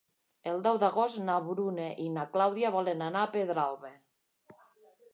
El deu d'agost na Bruna i na Clàudia volen anar a Pedralba.